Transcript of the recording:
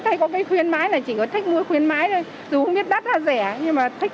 thấy có cái khuyến mãi là chỉ có thích mua khuyến mãi thôi dù không biết đắt hay rẻ nhưng mà thích